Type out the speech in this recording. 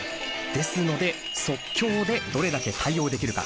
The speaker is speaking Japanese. ですので即興でどれだけ対応できるか